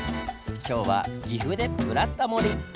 今日は岐阜で「ブラタモリ」！